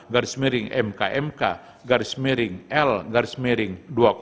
garis miring mkmk garis miring l garis miring dua ribu dua puluh tiga